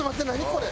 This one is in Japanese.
これ。